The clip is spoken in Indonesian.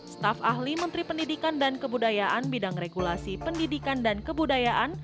staf ahli menteri pendidikan dan kebudayaan bidang regulasi pendidikan dan kebudayaan